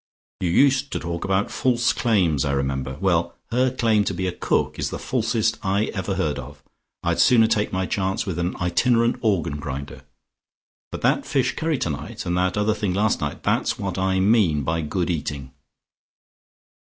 You used to talk about false claims I remember. Well her claim to be a cook is the falsest I ever heard of. I'd sooner take my chance with an itinerant organ grinder. But that fish curry tonight and that other thing last night, that's what I mean by good eating."